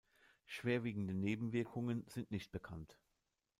Schwerwiegende Nebenwirkungen sind nicht bekannt.